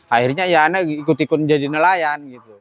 akhirnya anak ikut ikutan jadi nelayan